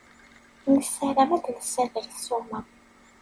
Nessaram ad d-nssader ssuma.